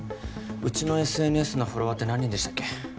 うちのＳＮＳのフォロワーって何人でしたっけ？